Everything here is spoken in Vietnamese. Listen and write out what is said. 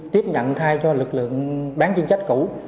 tiếp nhận thay cho lực lượng bán chuyên trách cũ